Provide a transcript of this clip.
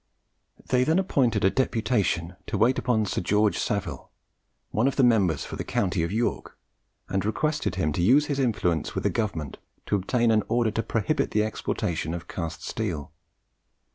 They then appointed a deputation to wait upon Sir George Savile, one of the members for the county of York, and requested him to use his influence with the government to obtain an order to prohibit the exportation of cast steel.